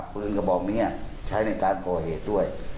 ปืนกระบอบนี้ใช้ในการปล่อยเหตุด้วย